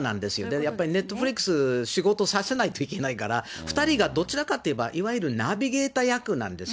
やっぱりネットフリックス、仕事させないといけないから、２人がどちらかっていえば、いわゆるナビゲーター役なんですよ。